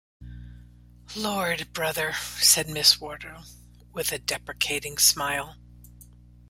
‘Lord, brother!’ said Miss Wardle, with a deprecating smile.